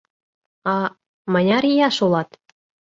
А... мыняр ияш улат?